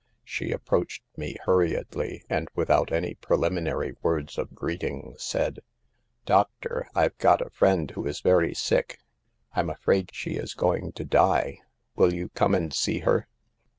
She approached me hurriedly, and without any pre liminary words of greeting said : 44 4 Doctor, I've got a friend who is very sick ; I'm afraid she is going to die. Will you come and see her